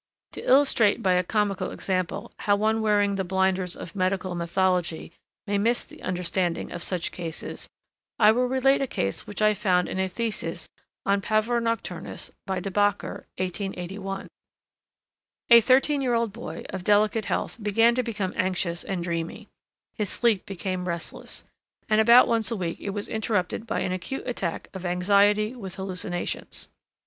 To illustrate by a comical example how one wearing the blinders of medical mythology may miss the understanding of such cases I will relate a case which I found in a thesis on pavor nocturnus by Debacker, 1881. A thirteen year old boy of delicate health began to become anxious and dreamy; his sleep became restless, and about once a week it was interrupted by an acute attack of anxiety with hallucinations.